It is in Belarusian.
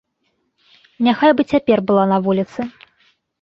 Няхай бы цяпер была на вуліцы.